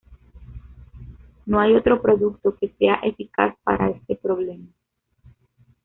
No hay otro producto que sea eficaz para este problema.